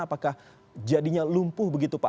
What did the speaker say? apakah jadinya lumpuh begitu pak